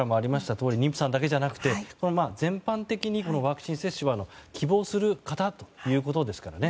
とおり妊婦さんだけじゃなくて全般的にワクチン接種は希望する方ということですから。